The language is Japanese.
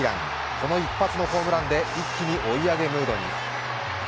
この一発のホームランで一気に追い上げムードに。